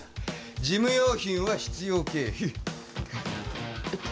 事務用品は必要経費えっ